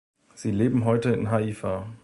Sie leben heute in Haifa.